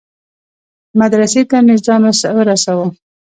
مدرسې ته مې ځان ورساوه.